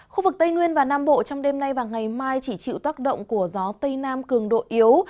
khu vực tây nguyên và nam bộ trong đêm nay và ngày mai chỉ chịu tác động của gió tây nam cường độ yếu